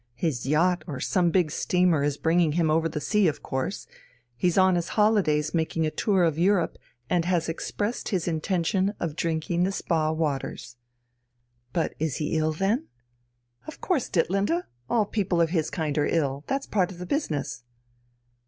His yacht or some big steamer is bringing him over the sea of course, he's on his holidays making a tour of Europe and has expressed his intention of drinking the Spa waters." "But is he ill, then?" "Of course, Ditlinde; all people of his kind are ill, that's part of the business."